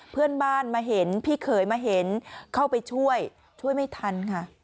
เพื่อนบ้านมาเห็นพี่เขยมาเห็นเข้าไปช่วยช่วยไม่ทันค่ะ